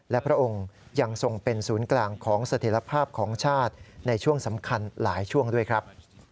และพระองค์ยังทรงเป็นศูนย์กลางของเสถียรภาพของชาติในช่วงสำคัญหลายช่วงด้วยครับ